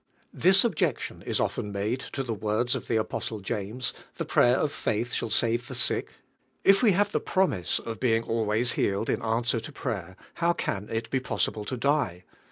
THIS objection is often made bo the words of the apostle James, "The prayer of faith shall save the sick," If we have the promise of being always healed in answer to prayer, how can it be possible to die?